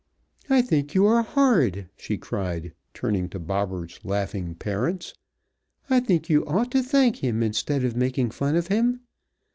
"I think you are horrid!" she cried, turning to Bobberts' laughing parents. "I think you ought to thank him instead of making fun of him.